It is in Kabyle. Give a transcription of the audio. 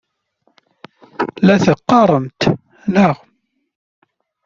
La t-teqqaremt, naɣ?